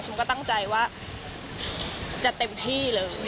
ก็ตั้งใจว่าจะเต็มที่เลย